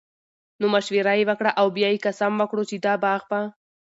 نو مشوره ئي وکړه، او بيا ئي قسم وکړو چې دا باغ به